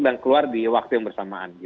keluar di waktu yang bersamaan